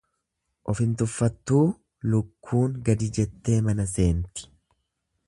of hin tuffattuu lukkuun gadi jettee mana seenti.